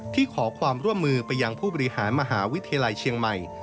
ขอความร่วมมือไปยังผู้บริหารมหาวิทยาลัยเชียงใหม่